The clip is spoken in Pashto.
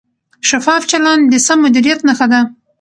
شفاف چلند د سم مدیریت نښه ده.